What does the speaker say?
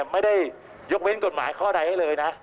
ไม่ได้ยกเว้นกฎหมายข้อใดให้เลยนะ